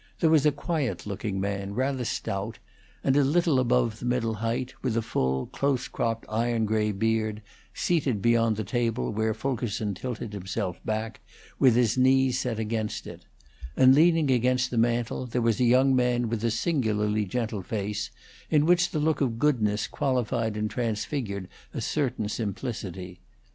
There was a quiet looking man, rather stout, and a little above the middle height, with a full, close cropped iron gray beard, seated beyond the table where Fulkerson tilted himself back, with his knees set against it; and leaning against the mantel there was a young man with a singularly gentle face, in which the look of goodness qualified and transfigured a certain simplicity.